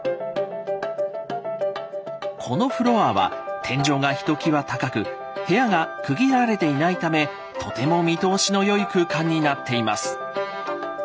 このフロアは天井がひときわ高く部屋が区切られていないためとても見通しの良い空間になっています。